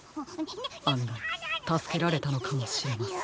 あんがいたすけられたのかもしれません。